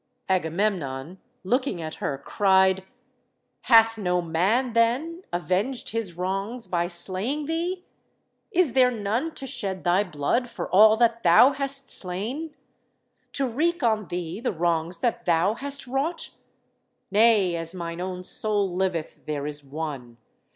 Agamemnon, looking at her, cried : "Hath no man, then, avenged his wrongs by slaying thee? Is there none to shed thy blood for all that thou hast slain? To wreak on thee the wrongs that thou hast wrought? Nay, as mine own soul liveth, there is one.